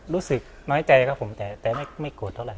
รู้สึกน้อยใจครับผมแต่ไม่โกรธเท่าไห